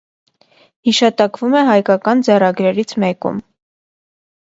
Հիշատակվում է հայկական ձեռագրերից մեկում։